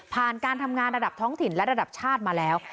การทำงานระดับท้องถิ่นและระดับชาติมาแล้ว